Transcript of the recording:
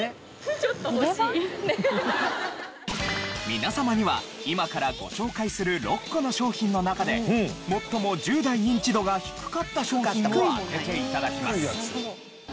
皆様には今からご紹介する６個の商品の中で最も１０代ニンチドが低かった商品を当てて頂きます。